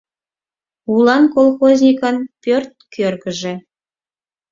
Улан колхозникын пӧрт кӧргыжӧ.